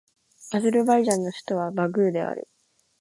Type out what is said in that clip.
アゼルバイジャンの首都はバクーである